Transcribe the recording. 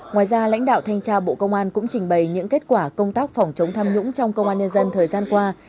ngoài ra lãnh đạo thanh tra bộ công an cũng trình bày những kết quả công tác phòng chống tham nhũng trong công an nhân dân thời gian qua